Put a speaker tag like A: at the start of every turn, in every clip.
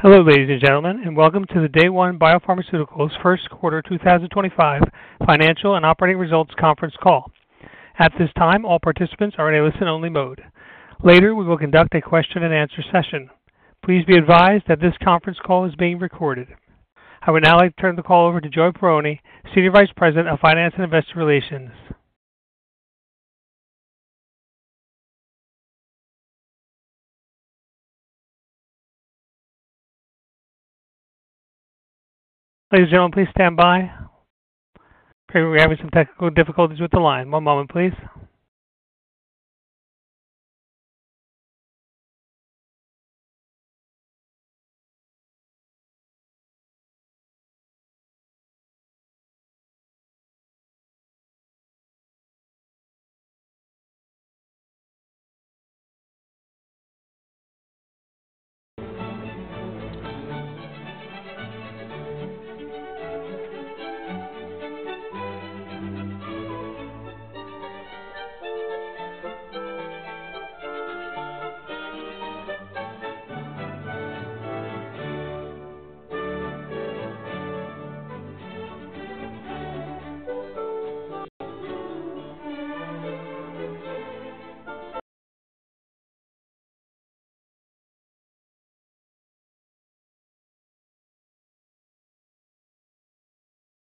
A: Hello, ladies and gentlemen, and welcome to the Day One Biopharmaceuticals first quarter 2025 financial and operating results conference call. At this time, all participants are in a listen-only mode. Later, we will conduct a question-and-answer session. Please be advised that this conference call is being recorded. I would now like to turn the call over to Joey Perrone, Senior Vice President of Finance and Investor Relations. Ladies and gentlemen, please stand by. We're having some technical difficulties with the line. One moment, please.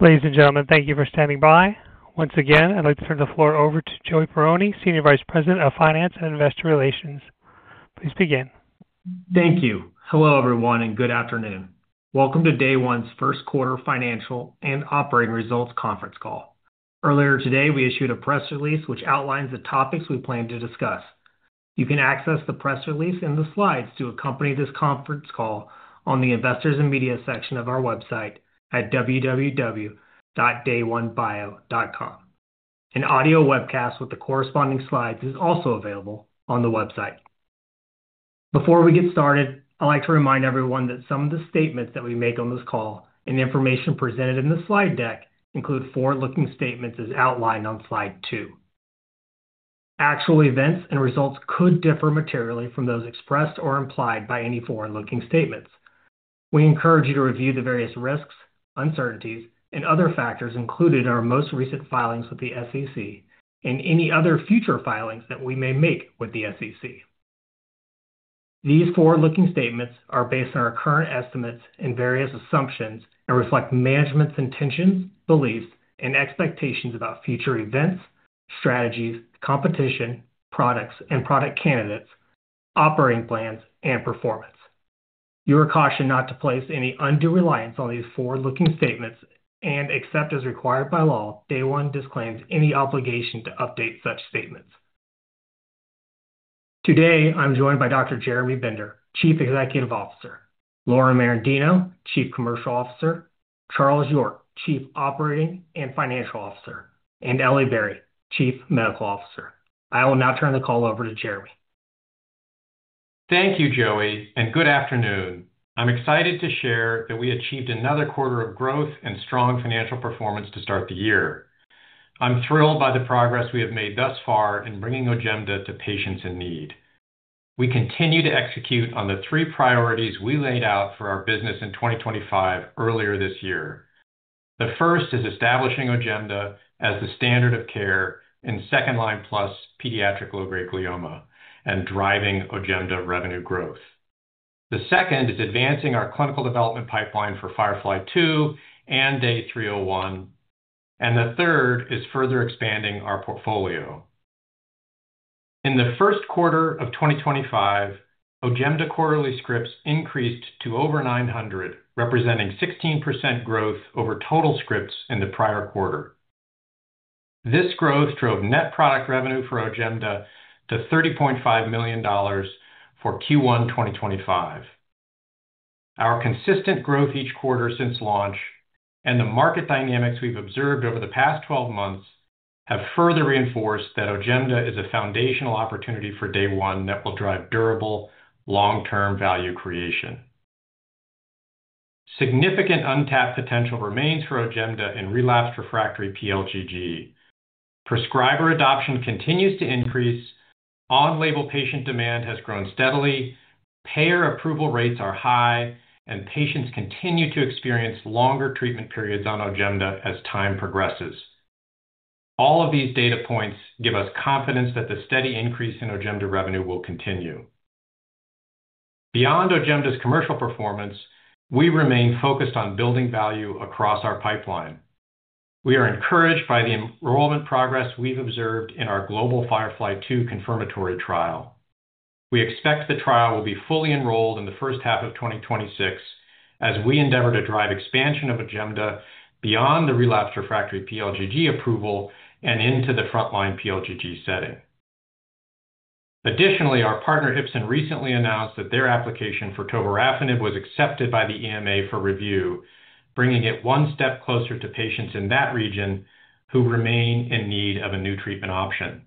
A: Ladies and gentlemen, thank you for standing by. Once again, I'd like to turn the floor over to Joey Perrone, Senior Vice President of Finance and Investor Relations. Please begin.
B: Thank you. Hello, everyone, and good afternoon. Welcome to Day One's first quarter financial and operating results conference call. Earlier today, we issued a press release which outlines the topics we plan to discuss. You can access the press release and the slides to accompany this conference call on the Investors and Media section of our website at www.dayonebio.com. An audio webcast with the corresponding slides is also available on the website. Before we get started, I'd like to remind everyone that some of the statements that we make on this call and the information presented in the slide deck include forward-looking statements as outlined on slide two. Actual events and results could differ materially from those expressed or implied by any forward-looking statements. We encourage you to review the various risks, uncertainties, and other factors included in our most recent filings with the SEC and any other future filings that we may make with the SEC. These forward-looking statements are based on our current estimates and various assumptions and reflect management's intentions, beliefs, and expectations about future events, strategies, competition, products and product candidates, operating plans, and performance. You are cautioned not to place any undue reliance on these forward-looking statements and, except as required by law, Day One disclaims any obligation to update such statements. Today, I'm joined by Dr. Jeremy Bender, Chief Executive Officer; Lauren Merendino, Chief Commercial Officer; Charles York, Chief Operating and Financial Officer; and Elly Barry, Chief Medical Officer. I will now turn the call over to Jeremy.
C: Thank you, Joey, and good afternoon. I'm excited to share that we achieved another quarter of growth and strong financial performance to start the year. I'm thrilled by the progress we have made thus far in bringing OJEMDA to patients in need. We continue to execute on the three priorities we laid out for our business in 2025 earlier this year. The first is establishing OJEMDA as the standard of care in second-line plus pediatric low-grade glioma and driving OJEMDA revenue growth. The second is advancing our clinical development pipeline for Firefly-2 and Day 301, and the third is further expanding our portfolio. In the first quarter of 2025, OJEMDA quarterly scripts increased to over 900, representing 16% growth over total scripts in the prior quarter. This growth drove net product revenue for OJEMDA to $30.5 million for Q1 2025. Our consistent growth each quarter since launch and the market dynamics we've observed over the past 12 months have further reinforced that OJEMDA is a foundational opportunity for Day One that will drive durable, long-term value creation. Significant untapped potential remains for OJEMDA in relapsed refractory pLGG. Prescriber adoption continues to increase, on-label patient demand has grown steadily, payer approval rates are high, and patients continue to experience longer treatment periods on OJEMDA as time progresses. All of these data points give us confidence that the steady increase in OJEMDA revenue will continue. Beyond OJEMDA's commercial performance, we remain focused on building value across our pipeline. We are encouraged by the enrollment progress we've observed in our global FIREFLY-2 confirmatory trial. We expect the trial will be fully enrolled in the first half of 2026 as we endeavor to drive expansion of OJEMDA beyond the relapsed/refractory pLGG approval and into the front-line PLGG setting. Additionally, our partner HIBio recently announced that their application for tovorafenib was accepted by the EMA for review, bringing it one step closer to patients in that region who remain in need of a new treatment option.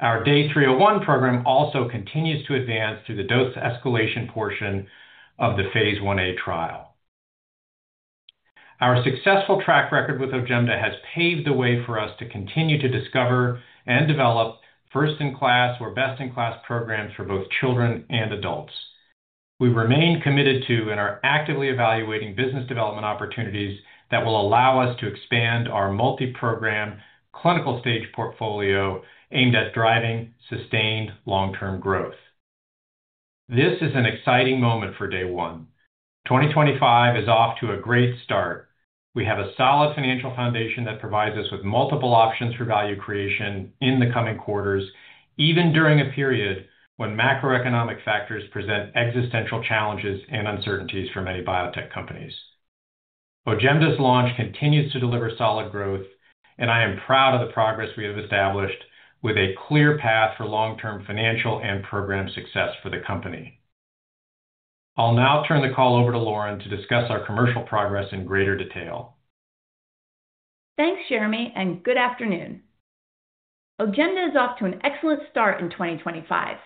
C: Our Day 301 program also continues to advance through the dose escalation portion of the phase I-A trial. Our successful track record with OJEMDA has paved the way for us to continue to discover and develop first-in-class or best-in-class programs for both children and adults. We remain committed to and are actively evaluating business development opportunities that will allow us to expand our multi-program clinical stage portfolio aimed at driving sustained long-term growth. This is an exciting moment for Day One. 2025 is off to a great start. We have a solid financial foundation that provides us with multiple options for value creation in the coming quarters, even during a period when macroeconomic factors present existential challenges and uncertainties for many biotech companies. OJEMDA's launch continues to deliver solid growth, and I am proud of the progress we have established with a clear path for long-term financial and program success for the company. I'll now turn the call over to Lauren to discuss our commercial progress in greater detail.
D: Thanks, Jeremy, and good afternoon. OJEMDA is off to an excellent start in 2024.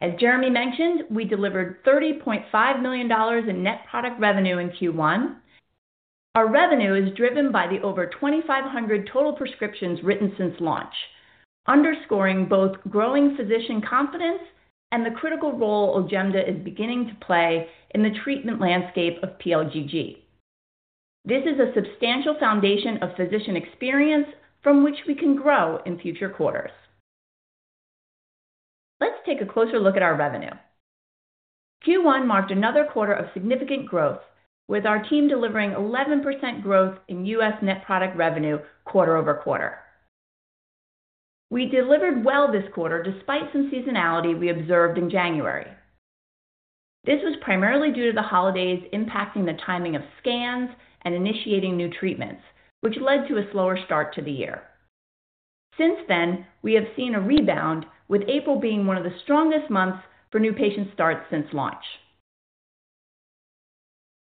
D: As Jeremy mentioned, we delivered $30.5 million in net product revenue in Q1. Our revenue is driven by the over 2,500 total prescriptions written since launch, underscoring both growing physician confidence and the critical role OJEMDA is beginning to play in the treatment landscape of pLGG. This is a substantial foundation of physician experience from which we can grow in future quarters. Let's take a closer look at our revenue. Q1 marked another quarter of significant growth, with our team delivering 11% growth in U.S. net product revenue quarter over quarter. We delivered well this quarter despite some seasonality we observed in January. This was primarily due to the holidays impacting the timing of scans and initiating new treatments, which led to a slower start to the year. Since then, we have seen a rebound, with April being one of the strongest months for new patient starts since launch.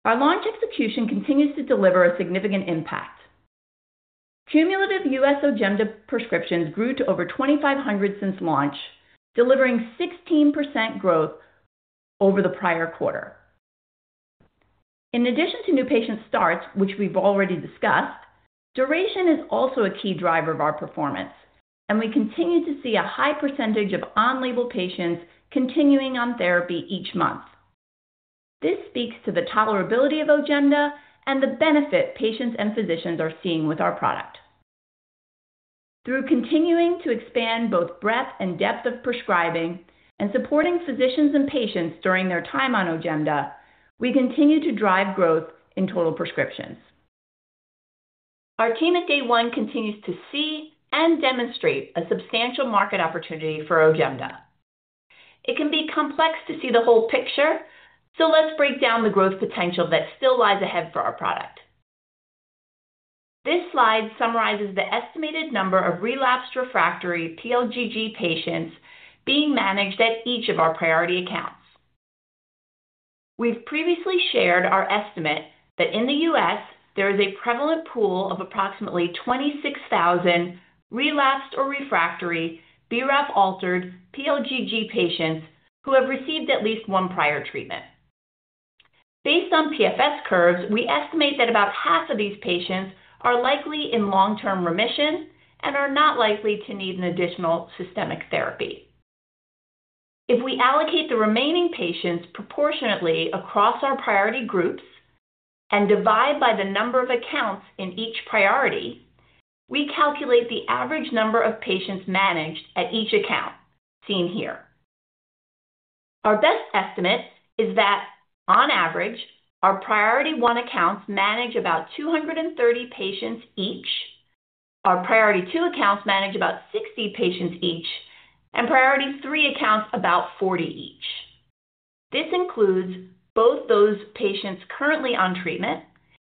D: Our launch execution continues to deliver a significant impact. Cumulative U.S. OJEMDA prescriptions grew to over 2,500 since launch, delivering 16% growth over the prior quarter. In addition to new patient starts, which we've already discussed, duration is also a key driver of our performance, and we continue to see a high percentage of on-label patients continuing on therapy each month. This speaks to the tolerability of OJEMDA and the benefit patients and physicians are seeing with our product. Through continuing to expand both breadth and depth of prescribing and supporting physicians and patients during their time on OJEMDA, we continue to drive growth in total prescriptions. Our team at Day One continues to see and demonstrate a substantial market opportunity for OJEMDA. It can be complex to see the whole picture, so let's break down the growth potential that still lies ahead for our product. This slide summarizes the estimated number of relapsed/refractory pLGG patients being managed at each of our priority accounts. We've previously shared our estimate that in the U.S., there is a prevalent pool of approximately 26,000 relapsed or refractory BRAF-altered pLGG patients who have received at least one prior treatment. Based on PFS curves, we estimate that about half of these patients are likely in long-term remission and are not likely to need an additional systemic therapy. If we allocate the remaining patients proportionately across our priority groups and divide by the number of accounts in each priority, we calculate the average number of patients managed at each account, seen here. Our best estimate is that, on average, our Priority 1 accounts manage about 230 patients each, our Priority 2 accounts manage about 60 patients each, and Priority 3 accounts about 40 each. This includes both those patients currently on treatment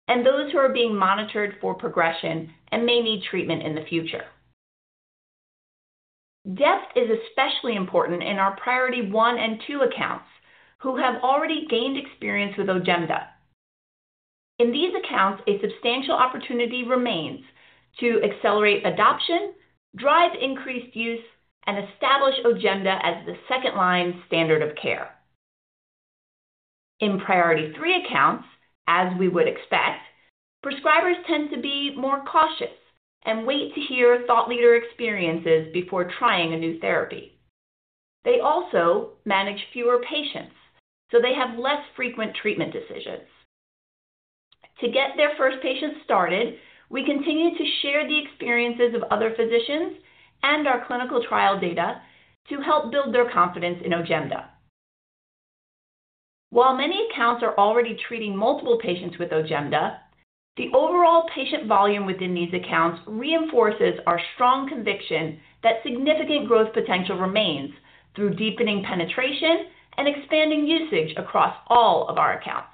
D: and those who are being monitored for progression and may need treatment in the future. Depth is especially important in our Priority 1 and 2 accounts who have already gained experience with OJEMDA. In these accounts, a substantial opportunity remains to accelerate adoption, drive increased use, and establish OJEMDA as the second-line standard of care. In Priority 3 accounts, as we would expect, prescribers tend to be more cautious and wait to hear thought-leader experiences before trying a new therapy. They also manage fewer patients, so they have less frequent treatment decisions. To get their first patients started, we continue to share the experiences of other physicians and our clinical trial data to help build their confidence in OJEMDA. While many accounts are already treating multiple patients with OJEMDA, the overall patient volume within these accounts reinforces our strong conviction that significant growth potential remains through deepening penetration and expanding usage across all of our accounts.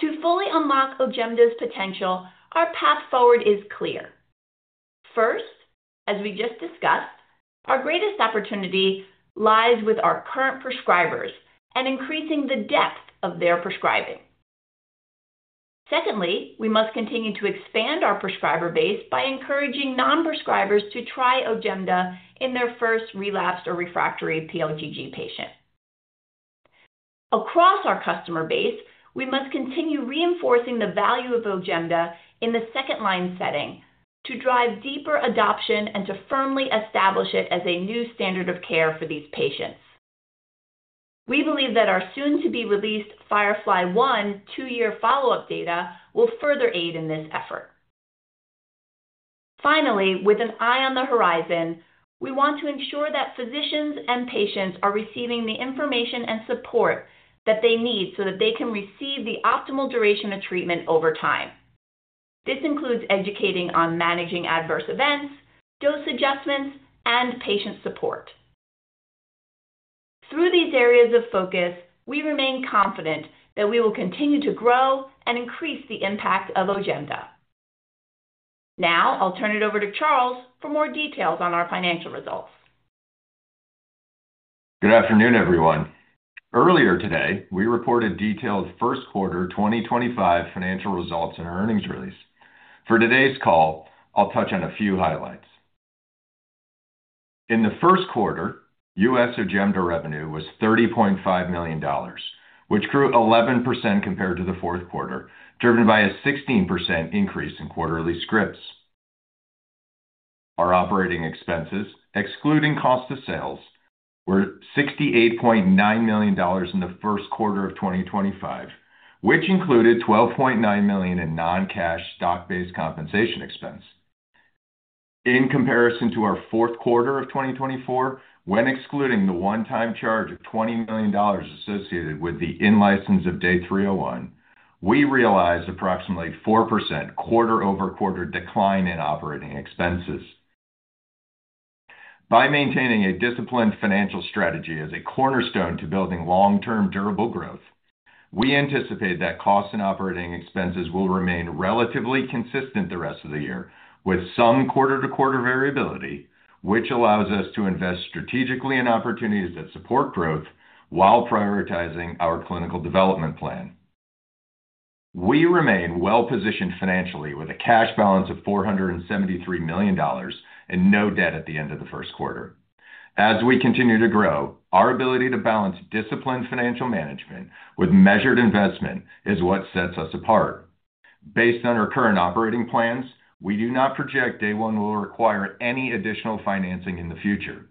D: To fully unlock OJEMDA's potential, our path forward is clear. First, as we just discussed, our greatest opportunity lies with our current prescribers and increasing the depth of their prescribing. Secondly, we must continue to expand our prescriber base by encouraging non-prescribers to try OJEMDA in their first relapsed or refractory pLGG patient. Across our customer base, we must continue reinforcing the value of OJEMDA in the second-line setting to drive deeper adoption and to firmly establish it as a new standard of care for these patients. We believe that our soon-to-be-released FIREFLY-1 two-year follow-up data will further aid in this effort. Finally, with an eye on the horizon, we want to ensure that physicians and patients are receiving the information and support that they need so that they can receive the optimal duration of treatment over time. This includes educating on managing adverse events, dose adjustments, and patient support. Through these areas of focus, we remain confident that we will continue to grow and increase the impact of OJEMDA. Now, I'll turn it over to Charles for more details on our financial results.
E: Good afternoon, everyone. Earlier today, we reported detailed first quarter 2025 financial results and earnings release. For today's call, I'll touch on a few highlights. In the first quarter, U.S. OJEMDA revenue was $30.5 million, which grew 11% compared to the fourth quarter, driven by a 16% increase in quarterly scripts. Our operating expenses, excluding cost of sales, were $68.9 million in the first quarter of 2025, which included $12.9 million in non-cash stock-based compensation expense. In comparison to our fourth quarter of 2024, when excluding the one-time charge of $20 million associated with the in-license of Day 301, we realized approximately 4% quarter-over-quarter decline in operating expenses. By maintaining a disciplined financial strategy as a cornerstone to building long-term durable growth, we anticipate that cost and operating expenses will remain relatively consistent the rest of the year, with some quarter-to-quarter variability, which allows us to invest strategically in opportunities that support growth while prioritizing our clinical development plan. We remain well-positioned financially with a cash balance of $473 million and no debt at the end of the first quarter. As we continue to grow, our ability to balance disciplined financial management with measured investment is what sets us apart. Based on our current operating plans, we do not project Day One will require any additional financing in the future.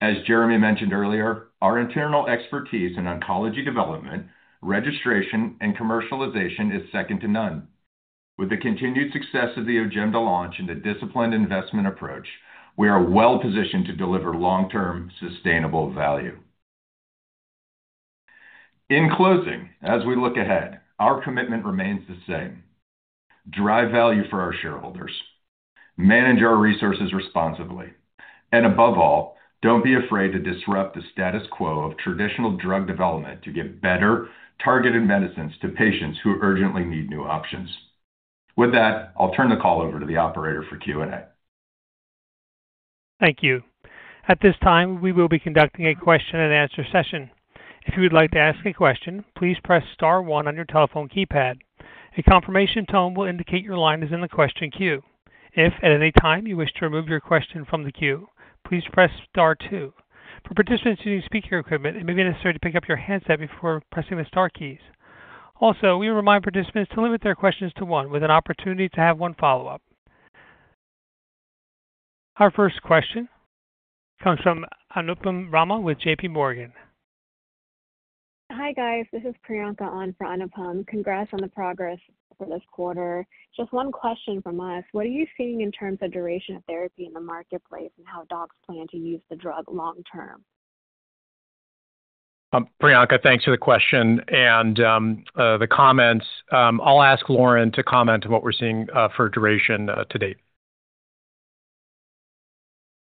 E: As Jeremy mentioned earlier, our internal expertise in oncology development, registration, and commercialization is second to none. With the continued success of the OJEMDA launch and a disciplined investment approach, we are well-positioned to deliver long-term sustainable value. In closing, as we look ahead, our commitment remains the same: drive value for our shareholders, manage our resources responsibly, and above all, do not be afraid to disrupt the status quo of traditional drug development to give better, targeted medicines to patients who urgently need new options. With that, I'll turn the call over to the operator for Q&A.
A: Thank you. At this time, we will be conducting a question-and-answer session. If you would like to ask a question, please press Star 1 on your telephone keypad. A confirmation tone will indicate your line is in the question queue. If at any time you wish to remove your question from the queue, please press Star 2. For participants using speaker equipment, it may be necessary to pick up your handset before pressing the Star keys. Also, we remind participants to limit their questions to one, with an opportunity to have one follow-up. Our first question comes from Anupam Rama with JPMorgan.
F: Hi guys, this is Priyanka on for Anupam. Congrats on the progress for this quarter. Just one question from us: what are you seeing in terms of duration of therapy in the marketplace and how docs plan to use the drug long-term?
C: Priyanka, thanks for the question and the comments. I'll ask Lauren to comment on what we're seeing for duration to date.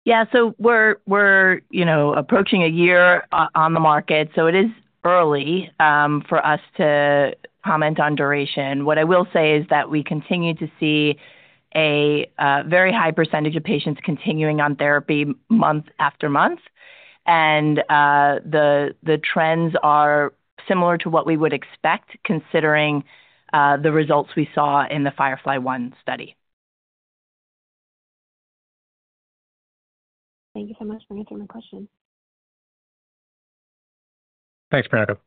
D: Yeah, so we're approaching a year on the market, so it is early for us to comment on duration. What I will say is that we continue to see a very high percentage of patients continuing on therapy month after month, and the trends are similar to what we would expect considering the results we saw in the FIREFLY-1 study.
F: Thank you so much for answering my question.
C: Thanks, Priyanka.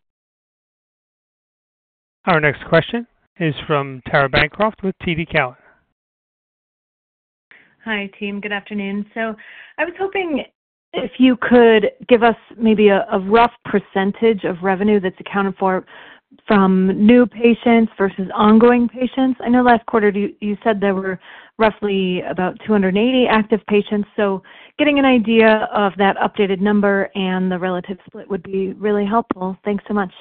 A: Our next question is from Tara Bancroft with TD Cowen.
G: Hi team, good afternoon. I was hoping if you could give us maybe a rough percentage of revenue that's accounted for from new patients versus ongoing patients. I know last quarter you said there were roughly about 280 active patients, so getting an idea of that updated number and the relative split would be really helpful. Thanks so much.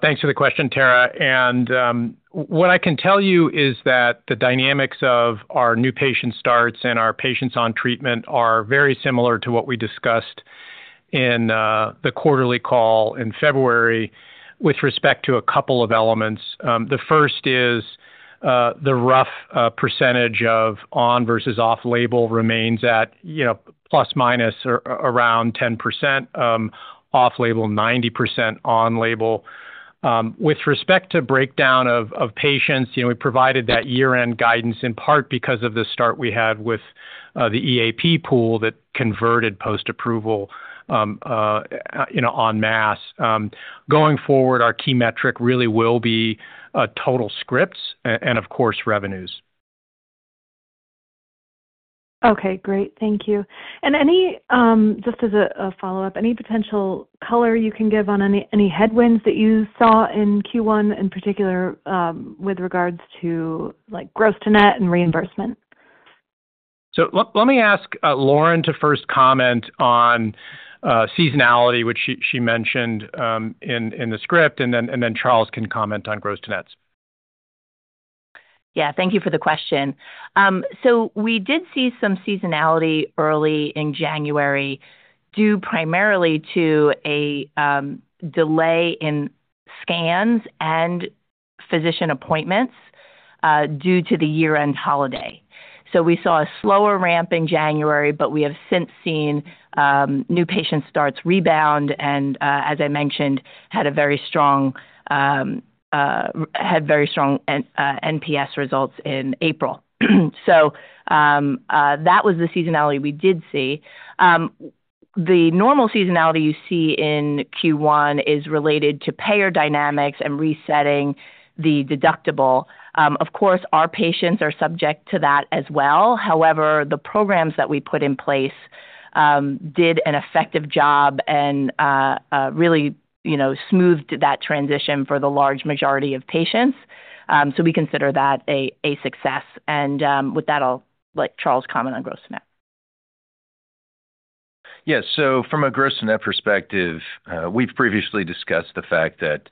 C: Thanks for the question, Tara. What I can tell you is that the dynamics of our new patient starts and our patients on treatment are very similar to what we discussed in the quarterly call in February with respect to a couple of elements. The first is the rough percentage of on versus off-label remains at plus-minus around 10%, off-label 90%, on-label. With respect to breakdown of patients, we provided that year-end guidance in part because of the start we had with the EAP pool that converted post-approval on mass. Going forward, our key metric really will be total scripts and, of course, revenues.
G: Okay, great. Thank you. Just as a follow-up, any potential color you can give on any headwinds that you saw in Q1 in particular with regards to gross to net and reimbursement?
C: Let me ask Lauren to first comment on seasonality, which she mentioned in the script, and then Charles can comment on gross to nets.
D: Yeah, thank you for the question. We did see some seasonality early in January due primarily to a delay in scans and physician appointments due to the year-end holiday. We saw a slower ramp in January, but we have since seen new patient starts rebound and, as I mentioned, had very strong NPS results in April. That was the seasonality we did see. The normal seasonality you see in Q1 is related to payer dynamics and resetting the deductible. Of course, our patients are subject to that as well. However, the programs that we put in place did an effective job and really smoothed that transition for the large majority of patients. We consider that a success. With that, I'll let Charles comment on gross to net.
E: Yeah, so from a gross-to-net perspective, we've previously discussed the fact that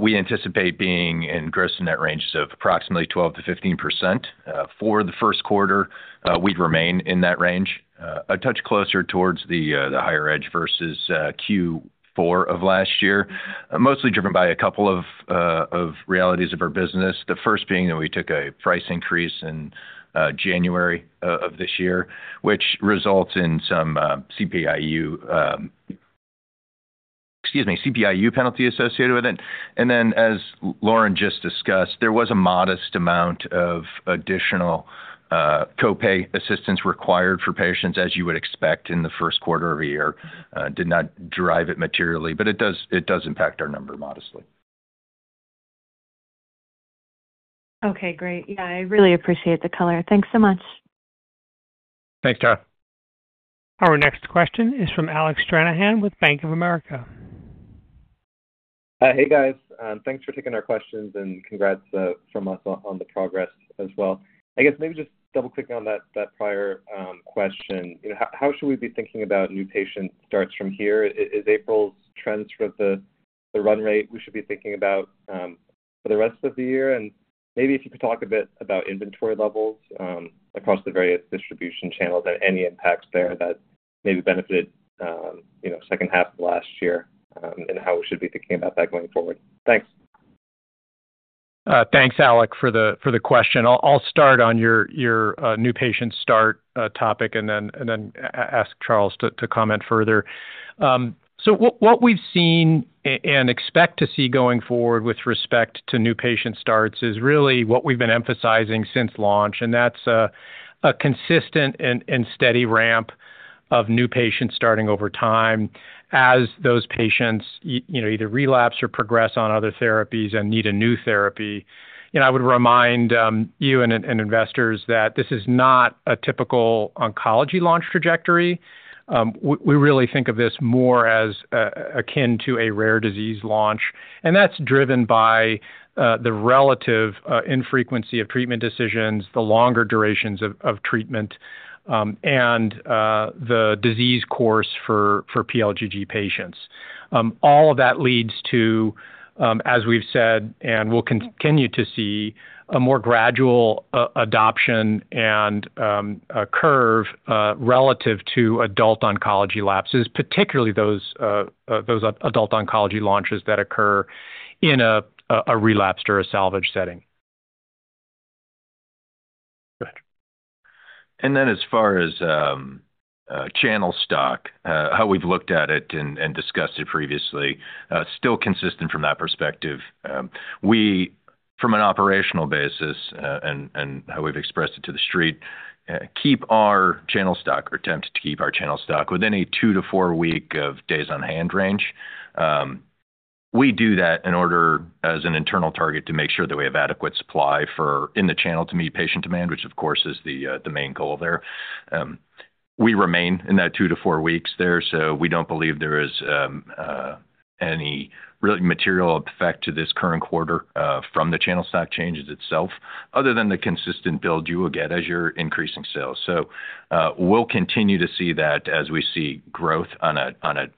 E: we anticipate being in gross-to-net ranges of approximately 12%-15% for the first quarter. We'd remain in that range, a touch closer towards the higher edge versus Q4 of last year, mostly driven by a couple of realities of our business. The first being that we took a price increase in January of this year, which results in some CPIU penalty associated with it. Then, as Lauren just discussed, there was a modest amount of additional copay assistance required for patients, as you would expect in the first quarter of a year. Did not drive it materially, but it does impact our number modestly.
G: Okay, great. Yeah, I really appreciate the color. Thanks so much.
C: Thanks, Tara.
A: Our next question is from Alec Stranahan with Bank of America.
H: Hey, guys. Thanks for taking our questions and congrats from us on the progress as well. I guess maybe just double-clicking on that prior question, how should we be thinking about new patient starts from here? Is April's trend sort of the run rate we should be thinking about for the rest of the year? If you could talk a bit about inventory levels across the various distribution channels and any impacts there that maybe benefited the second half of last year and how we should be thinking about that going forward. Thanks.
C: Thanks, Alec, for the question. I'll start on your new patient start topic and then ask Charles to comment further. What we've seen and expect to see going forward with respect to new patient starts is really what we've been emphasizing since launch, and that's a consistent and steady ramp of new patients starting over time as those patients either relapse or progress on other therapies and need a new therapy. I would remind you and investors that this is not a typical oncology launch trajectory. We really think of this more as akin to a rare disease launch, and that's driven by the relative infrequency of treatment decisions, the longer durations of treatment, and the disease course for pLGG patients. All of that leads to, as we've said and will continue to see, a more gradual adoption and curve relative to adult oncology launches, particularly those adult oncology launches that occur in a relapsed or a salvage setting. Go ahead.
E: As far as channel stock, how we've looked at it and discussed it previously, still consistent from that perspective. We, from an operational basis and how we've expressed it to the street, keep our channel stock or attempt to keep our channel stock within a two- to four-week days-on-hand range. We do that in order, as an internal target, to make sure that we have adequate supply in the channel to meet patient demand, which, of course, is the main goal there. We remain in that two- to four-week range, so we do not believe there is any real material effect to this current quarter from the channel stock changes itself, other than the consistent build you will get as you are increasing sales. We'll continue to see that as we see growth on a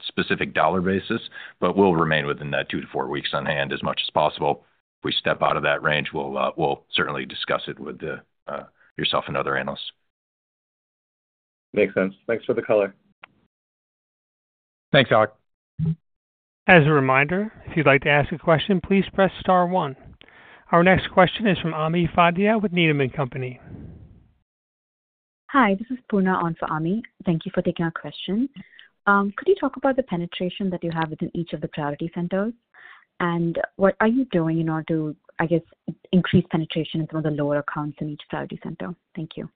E: specific dollar basis, but we'll remain within that 2-4 week on hand as much as possible. If we step out of that range, we'll certainly discuss it with yourself and other analysts.
H: Makes sense. Thanks for the color.
C: Thanks, Alec.
A: As a reminder, if you'd like to ask a question, please press Star 1. Our next question is from Ami Fadia with Needham & Company.
I: Hi, this is Puna on for Ami. Thank you for taking our question. Could you talk about the penetration that you have within each of the priority centers and what are you doing in order to, I guess, increase penetration in some of the lower accounts in each priority center? Thank you.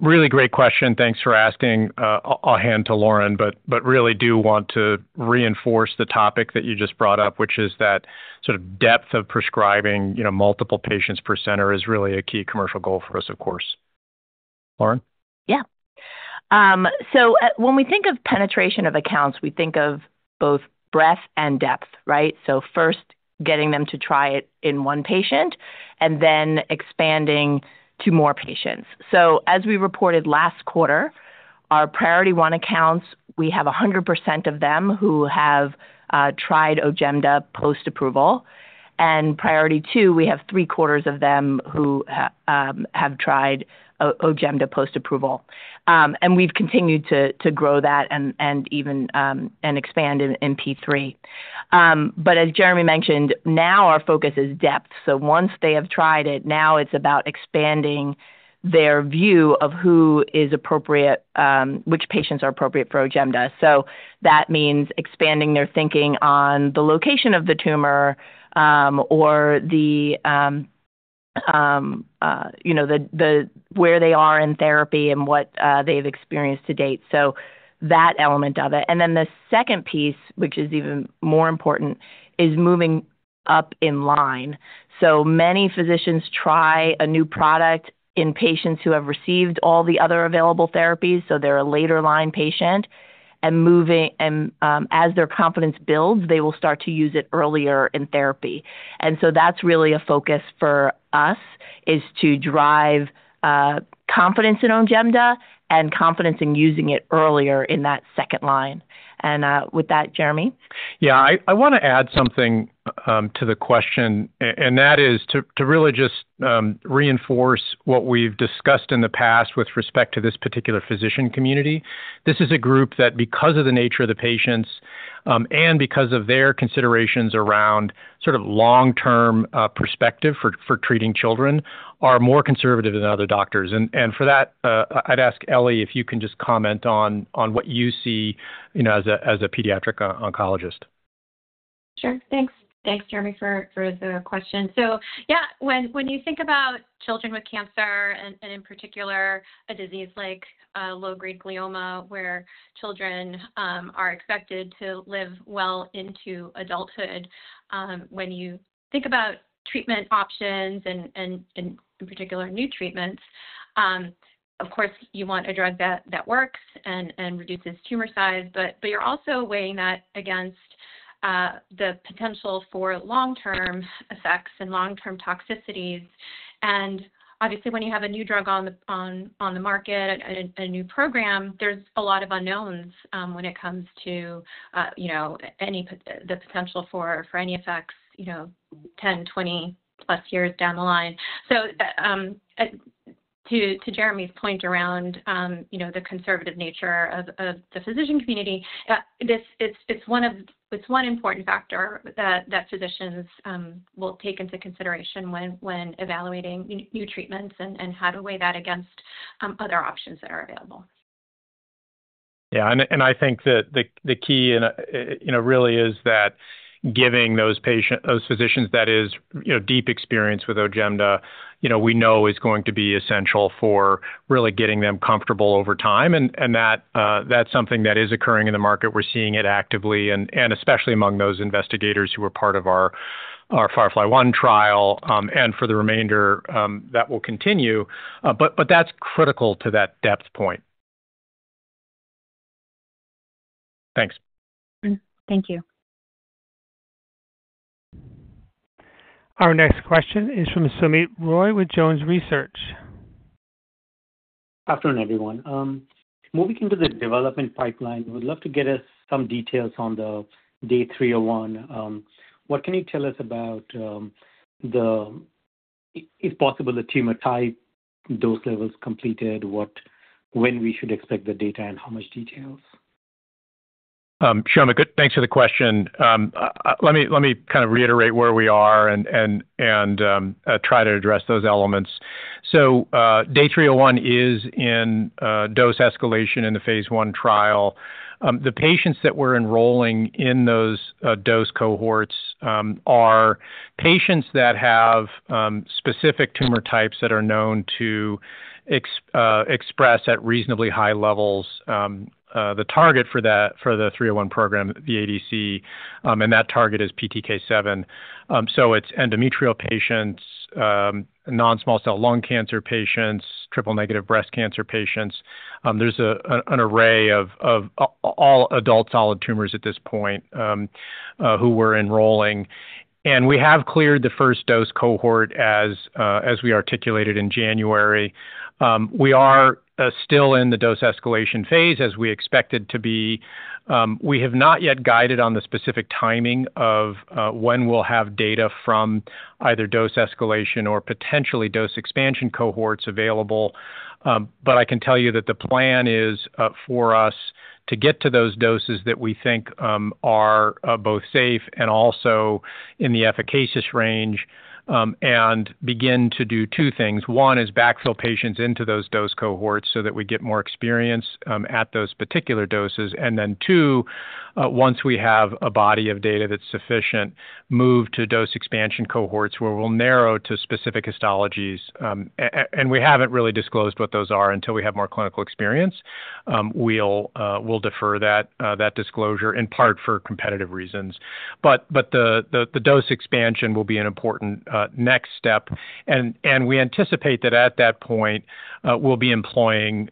C: Really great question. Thanks for asking. I'll hand to Lauren, but really do want to reinforce the topic that you just brought up, which is that sort of depth of prescribing multiple patients per center is really a key commercial goal for us, of course. Lauren?
D: Yeah. When we think of penetration of accounts, we think of both breadth and depth, right? First, getting them to try it in one patient and then expanding to more patients. As we reported last quarter, our priority one accounts, we have 100% of them who have tried OJEMDA post-approval. Priority two, we have three quarters of them who have tried OJEMDA post-approval. We've continued to grow that and expand in P3. As Jeremy mentioned, now our focus is depth. Once they have tried it, now it's about expanding their view of who is appropriate, which patients are appropriate for OJEMDA. That means expanding their thinking on the location of the tumor or where they are in therapy and what they've experienced to date. That element of it. The second piece, which is even more important, is moving up in line. Many physicians try a new product in patients who have received all the other available therapies, so they are a later line patient. As their confidence builds, they will start to use it earlier in therapy. That is really a focus for us, to drive confidence in OJEMDA and confidence in using it earlier in that second line. With that, Jeremy?
C: Yeah, I want to add something to the question, and that is to really just reinforce what we've discussed in the past with respect to this particular physician community. This is a group that, because of the nature of the patients and because of their considerations around sort of long-term perspective for treating children, are more conservative than other doctors. For that, I'd ask Elly if you can just comment on what you see as a pediatric oncologist.
J: Sure. Thanks, Jeremy, for the question. Yeah, when you think about children with cancer and in particular a disease like low-grade glioma, where children are expected to live well into adulthood, when you think about treatment options and in particular new treatments, of course, you want a drug that works and reduces tumor size, but you're also weighing that against the potential for long-term effects and long-term toxicities. Obviously, when you have a new drug on the market, a new program, there's a lot of unknowns when it comes to the potential for any effects 10, 20 plus years down the line. To Jeremy's point around the conservative nature of the physician community, it's one important factor that physicians will take into consideration when evaluating new treatments and how to weigh that against other options that are available.
C: Yeah, I think that the key really is that giving those physicians that deep experience with OJEMDA, we know is going to be essential for really getting them comfortable over time. That is something that is occurring in the market. We're seeing it actively, especially among those investigators who are part of our Firefly-1 trial, and for the remainder that will continue. That is critical to that depth point. Thanks.
I: Thank you.
A: Our next question is from Soumit Roy with Jones Research.
K: Good afternoon, everyone. Moving into the development pipeline, we'd love to get some details on the Day 301. What can you tell us about, if possible, the tumor type, dose levels completed, when we should expect the data, and how much details?
C: Sure. Thanks for the question. Let me kind of reiterate where we are and try to address those elements. Day 301 is in dose escalation in the phase one trial. The patients that we're enrolling in those dose cohorts are patients that have specific tumor types that are known to express at reasonably high levels. The target for the 301 program, the ADC, and that target is PTK7. It is endometrial patients, non-small cell lung cancer patients, triple negative breast cancer patients. There is an array of all adult solid tumors at this point who we're enrolling. We have cleared the first dose cohort as we articulated in January. We are still in the dose escalation phase as we expected to be. We have not yet guided on the specific timing of when we'll have data from either dose escalation or potentially dose expansion cohorts available. I can tell you that the plan is for us to get to those doses that we think are both safe and also in the efficacious range and begin to do two things. One is backfill patients into those dose cohorts so that we get more experience at those particular doses. Then, once we have a body of data that's sufficient, move to dose expansion cohorts where we'll narrow to specific histologies. We haven't really disclosed what those are until we have more clinical experience. We'll defer that disclosure in part for competitive reasons. The dose expansion will be an important next step. We anticipate that at that point, we'll be employing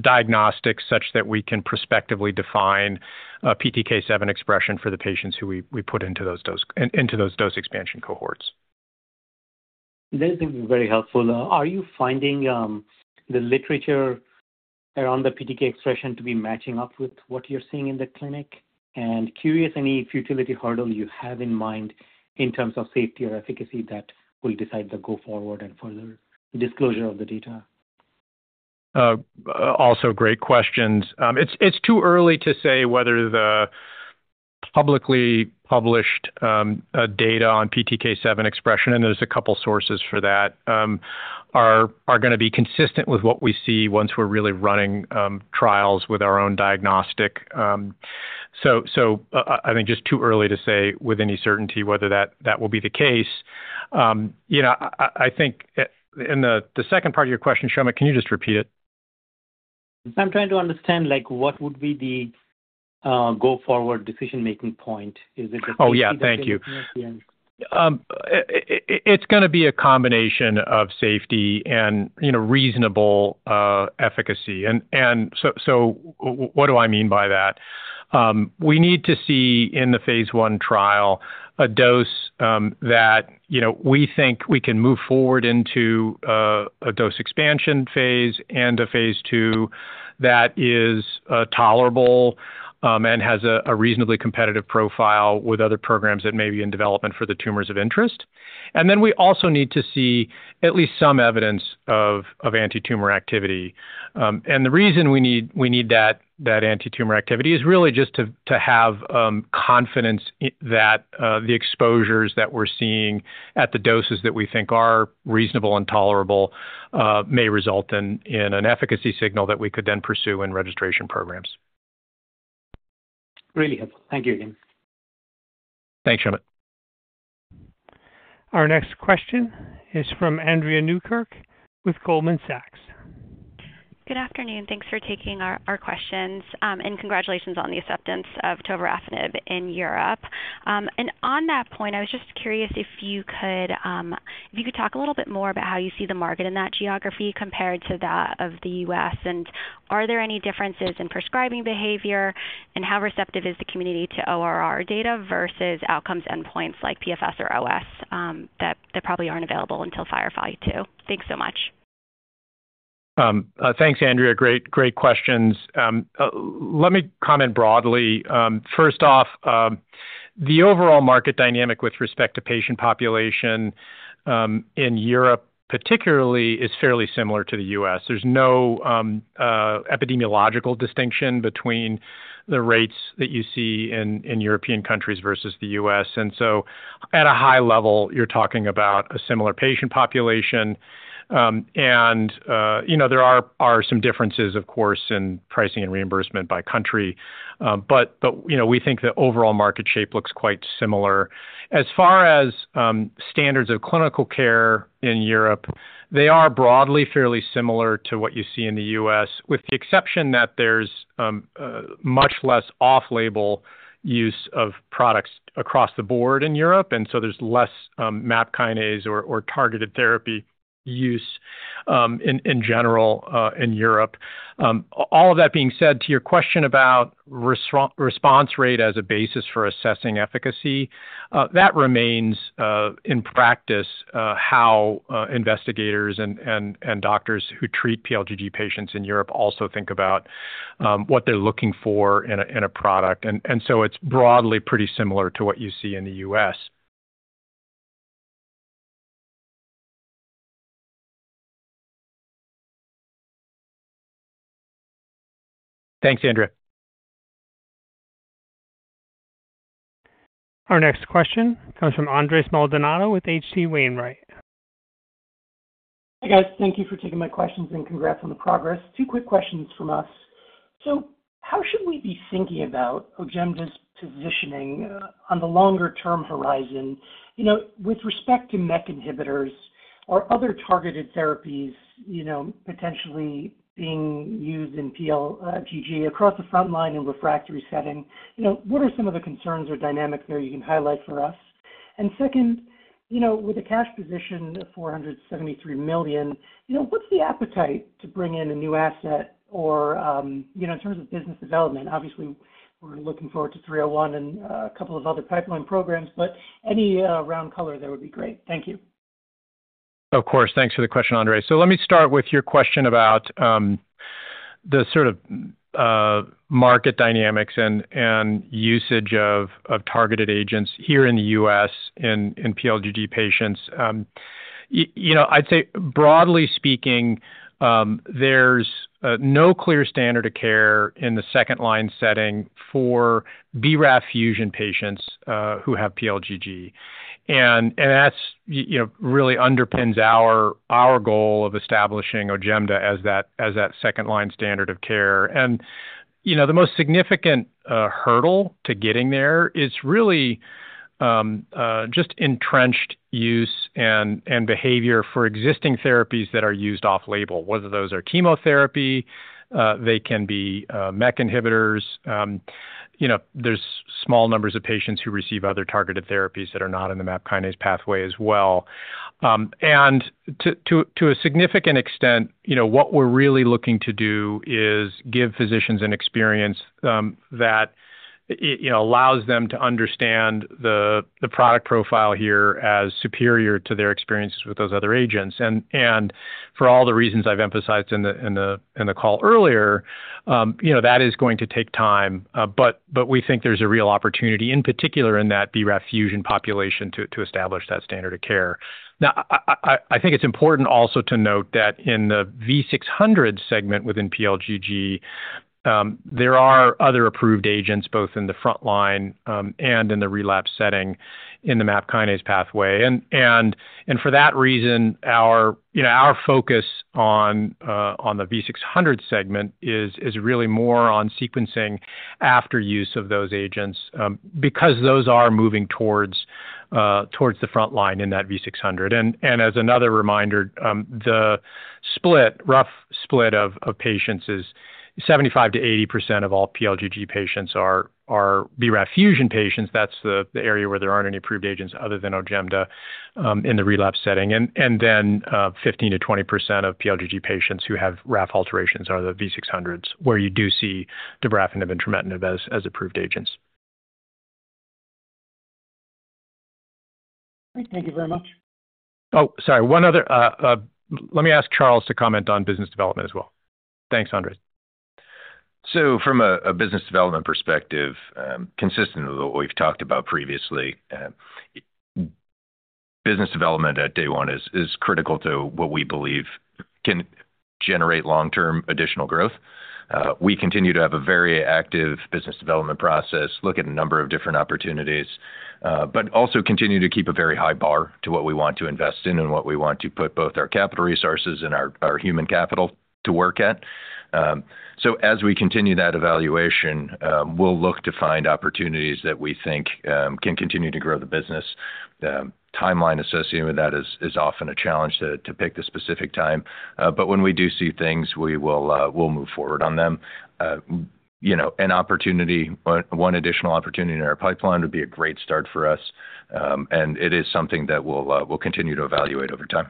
C: diagnostics such that we can prospectively define PTK7 expression for the patients who we put into those dose expansion cohorts.
K: Thank you, very helpful. Are you finding the literature around the PTK7 expression to be matching up with what you're seeing in the clinic? Curious, any futility hurdle you have in mind in terms of safety or efficacy that will decide the go-forward and further disclosure of the data?
C: Also great questions. It's too early to say whether the publicly published data on PTK7 expression, and there's a couple of sources for that, are going to be consistent with what we see once we're really running trials with our own diagnostic. I think just too early to say with any certainty whether that will be the case. I think in the second part of your question, Soumit, can you just repeat it?
K: I'm trying to understand what would be the go-forward decision-making point. Is it the safety?
C: Oh, yeah. Thank you. It's going to be a combination of safety and reasonable efficacy. What do I mean by that? We need to see in the phase one trial a dose that we think we can move forward into a dose expansion phase and a phase two that is tolerable and has a reasonably competitive profile with other programs that may be in development for the tumors of interest. We also need to see at least some evidence of anti-tumor activity. The reason we need that anti-tumor activity is really just to have confidence that the exposures that we're seeing at the doses that we think are reasonable and tolerable may result in an efficacy signal that we could then pursue in registration programs.
K: Really helpful. Thank you again.
C: Thanks, Soumit.
A: Our next question is from Andrea Newkirk with Goldman Sachs.
L: Good afternoon. Thanks for taking our questions and congratulations on the acceptance of tovorafenib in Europe. On that point, I was just curious if you could talk a little bit more about how you see the market in that geography compared to that of the U.S. Are there any differences in prescribing behavior and how receptive is the community to ORR data versus outcomes endpoints like PFS or OS that probably are not available until FIREFLY-2? Thanks so much.
C: Thanks, Andrea. Great questions. Let me comment broadly. First off, the overall market dynamic with respect to patient population in Europe particularly is fairly similar to the U.S. There's no epidemiological distinction between the rates that you see in European countries versus the U.S. At a high level, you're talking about a similar patient population. There are some differences, of course, in pricing and reimbursement by country. We think the overall market shape looks quite similar. As far as standards of clinical care in Europe, they are broadly fairly similar to what you see in the U.S., with the exception that there's much less off-label use of products across the board in Europe. There's less MAP kinase or targeted therapy use in general in Europe. All of that being said, to your question about response rate as a basis for assessing efficacy, that remains in practice how investigators and doctors who treat pLGG patients in Europe also think about what they're looking for in a product. It is broadly pretty similar to what you see in the U.S. Thanks, Andrea.
A: Our next question comes from Andres Maldonado with H.C. Wainwright.
M: Hi guys. Thank you for taking my questions and congrats on the progress. Two quick questions from us. How should we be thinking about OJEMDA's positioning on the longer-term horizon with respect to MEK inhibitors or other targeted therapies potentially being used in pLGG across the front line in refractory setting? What are some of the concerns or dynamics there you can highlight for us? Second, with a cash position of $473 million, what's the appetite to bring in a new asset or in terms of business development? Obviously, we're looking forward to 301 and a couple of other pipeline programs, but any round color there would be great. Thank you.
C: Of course. Thanks for the question, Andres. Let me start with your question about the sort of market dynamics and usage of targeted agents here in the U.S. in pLGG patients. I'd say broadly speaking, there's no clear standard of care in the second line setting for BRAF fusion patients who have pLGG. That really underpins our goal of establishing OJEMDA as that second line standard of care. The most significant hurdle to getting there is really just entrenched use and behavior for existing therapies that are used off-label, whether those are chemotherapy, they can be MEK inhibitors. There are small numbers of patients who receive other targeted therapies that are not in the MAP kinase pathway as well. To a significant extent, what we're really looking to do is give physicians an experience that allows them to understand the product profile here as superior to their experiences with those other agents. For all the reasons I've emphasized in the call earlier, that is going to take time. We think there's a real opportunity, in particular in that BRAF fusion population, to establish that standard of care. I think it's important also to note that in the V600 segment within pLGG, there are other approved agents both in the front line and in the relapse setting in the MAP kinase pathway. For that reason, our focus on the V600 segment is really more on sequencing after use of those agents because those are moving towards the front line in that V600. As another reminder, the split, rough split of patients is 75%-80% of all PLGG patients are BRAF fusion patients. That is the area where there are not any approved agents other than OJEMDA in the relapse setting. Then 15%-20% of pLGG patients who have RAF alterations are the V600s where you do see tovorafenib and trametinib as approved agents.
M: Thank you very much.
C: Oh, sorry. Let me ask Charles to comment on business development as well. Thanks, Andres.
E: From a business development perspective, consistent with what we've talked about previously, business development at Day One is critical to what we believe can generate long-term additional growth. We continue to have a very active business development process, look at a number of different opportunities, but also continue to keep a very high bar to what we want to invest in and what we want to put both our capital resources and our human capital to work at. As we continue that evaluation, we'll look to find opportunities that we think can continue to grow the business. Timeline associated with that is often a challenge to pick the specific time. When we do see things, we will move forward on them. An opportunity, one additional opportunity in our pipeline would be a great start for us. It is something that we'll continue to evaluate over.